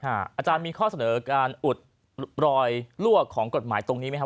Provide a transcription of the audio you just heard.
อาจารย์มีข้อเสนอการอุดรอยลวกของกฎหมายตรงนี้ไหมครับ